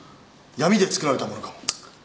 闇で作られたものかも。